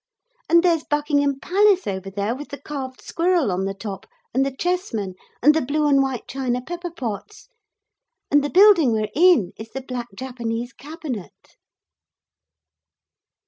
And there's Buckingham Palace over there, with the carved squirrel on the top, and the chessmen, and the blue and white china pepper pots; and the building we're in is the black Japanese cabinet.'